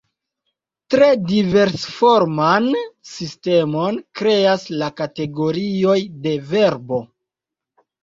Tre diversforman sistemon kreas la kategorioj de verbo.